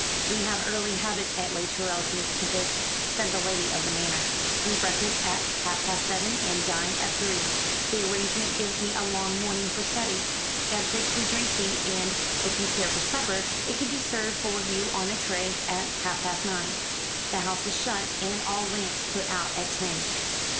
"We have early habits at Les Tourelles, Miss Tempest," said the lady of the manor: "we breakfast at half past seven and dine at three; that arrangement gives me a long morning for study. At six we drink tea, and, if you care for supper, it can be served for you on a tray at half past nine. The house is shut, and all lamps put out, at ten."